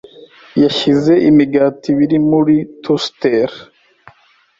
yashyize imigati ibiri muri toasteri.